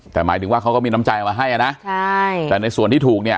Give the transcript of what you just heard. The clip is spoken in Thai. แต่หมายถึงว่าเขาก็มีน้ำใจเอามาให้อ่ะนะใช่แต่ในส่วนที่ถูกเนี่ย